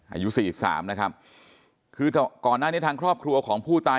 อายุ๔๓นะครับคือก่อนหน้าในทางครอบครัวของผู้ตาย